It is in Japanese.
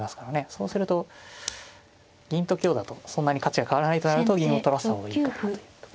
そうすると銀と香だとそんなに価値が変わらないとなると銀を取らせた方がいいってことですかね。